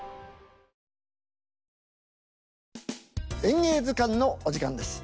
「演芸図鑑」のお時間です。